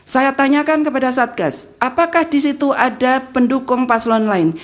saya tanyakan kepada satgas apakah di situ ada pendukung paslon lain